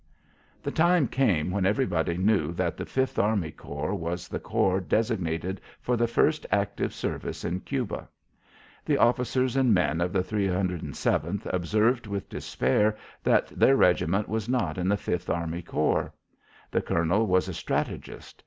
The time came when everybody knew that the Fifth Army Corps was the corps designated for the first active service in Cuba. The officers and men of the 307th observed with despair that their regiment was not in the Fifth Army Corps. The colonel was a strategist.